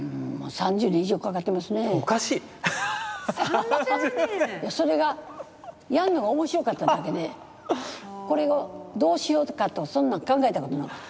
３０年⁉それがやんのが面白かっただけでこれをどうしようかとそんなん考えたことなかった。